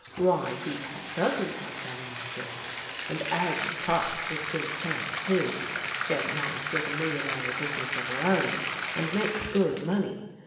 Why, he's had dozens of them, my dear, and Agnes Parks was a good chance, too. She has a nice little millinery business of her own and makes good money.